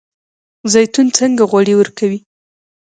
زیتون څنګه غوړي ورکوي؟